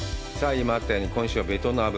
今あったように今週はベトナム。